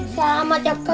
selamat ya kau